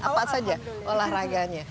apa saja olahraganya